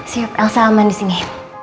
siap elsa aman disini